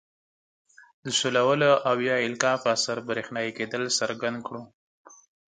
د سولولو او یا القاء په اثر برېښنايي کیدل څرګند کړو.